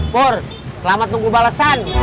bur selamat nunggu balesan